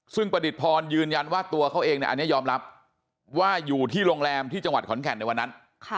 ซึ่งประดิษฐพรยืนยันว่าตัวเขาเองอันนี้ยอมรับว่าอยู่ที่โรงแรมที่จังหวัดขอนแก่นในวันนั้น